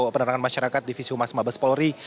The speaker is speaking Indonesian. penerangan masyarakat divisi humas mabes polri